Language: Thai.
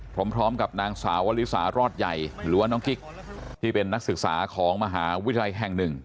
พร้อมกับนางสาววลิสารอดใหญ่หรือว่าน้องกิ๊กที่เป็นนักศึกษาของมหาวิทยาลัยแห่งหนึ่ง